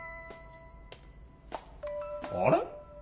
あれ？